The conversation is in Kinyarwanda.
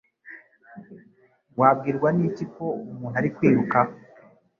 Wabwirwa n'iki ko umuntu ari kwiruka?